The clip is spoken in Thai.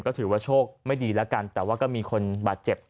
ก็ถือว่าโชคไม่ดีแล้วกันแต่ว่าก็มีคนบาดเจ็บ